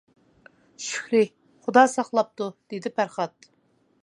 — شۈكرى، خۇدا ساقلاپتۇ، — دېدى پەرھات.